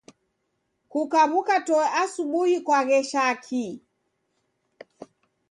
Kukaw'uka toe asubuhi kwaghesha kii?